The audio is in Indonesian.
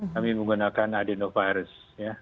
kami menggunakan adenovirus